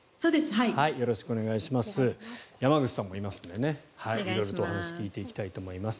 山口さんもいますので色々とお話を聞いていきたいと思います。